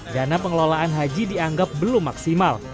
dana pengelolaan haji dianggap belum maksimal